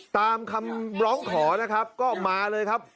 ตามคำร้องขอก็มาเลยครับ